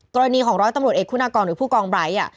ตัวนี้ของร้อยตำรวจเอ็กซ์คุณากองหรือผู้กองไบร์ท